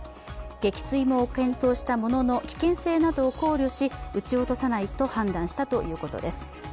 撃墜も検討したものの、危険性などを考慮し撃ち落とさないと判断したということです。